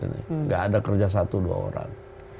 tidak ada kerja satu dua orang